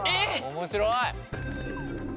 面白い！